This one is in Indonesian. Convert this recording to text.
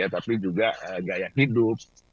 tapi juga gaya hidup